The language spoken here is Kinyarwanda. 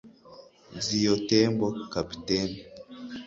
Ziyo Tembo (Captain)